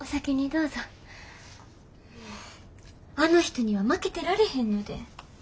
もうあの人には負けてられへんので。